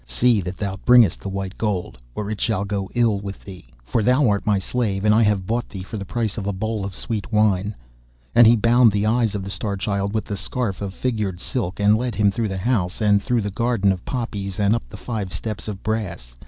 See that thou bringest the white gold, or it shall go ill with thee, for thou art my slave, and I have bought thee for the price of a bowl of sweet wine.' And he bound the eyes of the Star Child with the scarf of figured silk, and led him through the house, and through the garden of poppies, and up the five steps of brass.